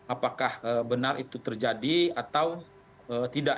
apakah benar itu terjadi atau tidak